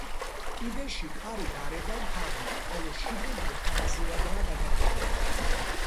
კიდეში კარი გარედან თაღით, ხოლო შიგნიდან თარაზულადაა გადახურული.